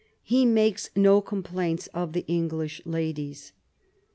He makes no complaints of the English Ladies."